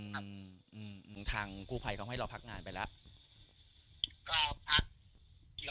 หรือทางกูภัยให้เราพักงานไปแหละ